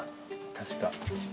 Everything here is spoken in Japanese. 確か。